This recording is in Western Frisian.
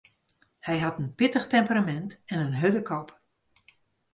Hy hat in pittich temperamint en in hurde kop.